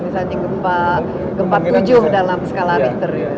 misalnya gempa tujuh dalam skala riter